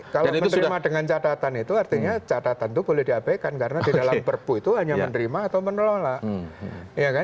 kalau menerima dengan catatan itu artinya catatan itu boleh diabaikan karena di dalam perpu itu hanya menerima atau menolak